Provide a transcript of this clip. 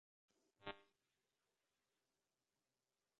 আমি সম্পূর্ণ সুলথ।